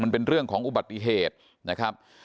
มันเป็นเรื่องของอุบัติเหตุนะครับ